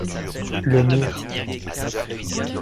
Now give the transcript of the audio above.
Le Mire.